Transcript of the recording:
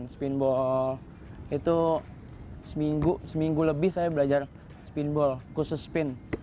spinball itu seminggu seminggu lebih saya belajar spinball khusus spin